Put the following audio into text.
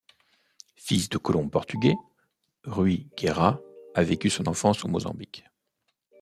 Fils de colons portugais, Ruy Guerra a vécu son enfance au Mozambique.